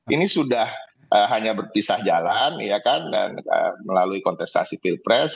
ini sudah hanya berpisah jalan dan melalui kontestasi pilpres